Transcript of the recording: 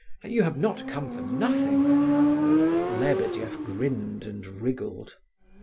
You have not come for nothing..." Lebedeff grinned and wriggled.